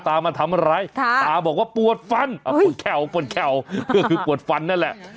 ตามาทำอะไรตาบอกว่าปวดฟันปวดแข่วคือปวดฟันนั่นแหละ